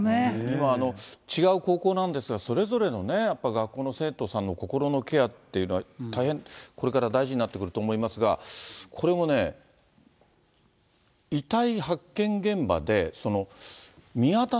今は違う高校なんですが、それぞれのね、やっぱ、学校の生徒さんの心のケアっていうのは、大変これから大事になってくると思いますが、これもね、近くで見つかったと。